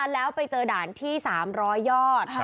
แล้วไปเจอด่านที่๓๐๐ยอด